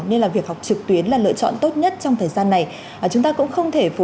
nên là việc học trực tuyến là lựa chọn tốt nhất trong thời gian này chúng ta cũng không thể phủ